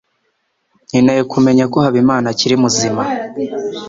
Nkeneye kumenya ko Habimana akiri muzima.